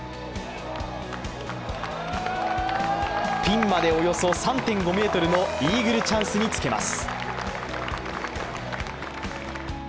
ピンまでおよそ３．５ｍのイーグルチャンスにつけます。